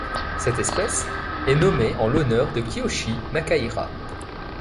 Cette espèce est nommée en l'honneur de Kiyoshi Nakahira.